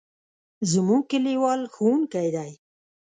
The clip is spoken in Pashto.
زموږ کلیوال ښوونکی دی.